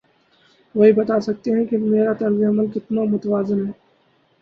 وہی بتا سکتے ہیں کہ میرا طرز عمل کتنا متوازن ہے۔